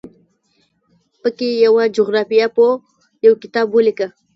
په کې یوه جغرافیه پوه یو کتاب ولیکه.